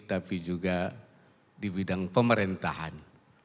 tapi juga di bidang pemerintahan